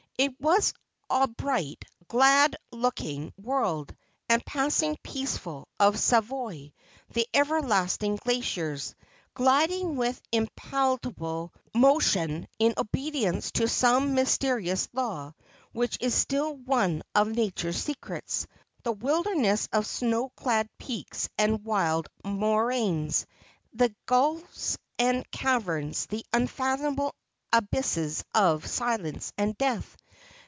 It was abright glad looking world, and passing peaceful. Far away beyond that grand range of hills lay the ice fields of Savoy, the everlasting glaciers, gliding with impalpable mo tion in obedience to some mysterious law which is still one of Nature's secrets, the wilderness of snow clad peaks and wild moraines, the gulfs and caverns, the unfathomable abysses of silence and of death.